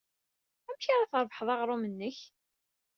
Amek ara d-trebḥeḍ aɣrum-nnek?